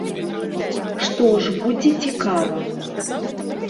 Што ж, будзе цікава.